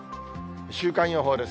週間予報です。